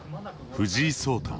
藤井聡太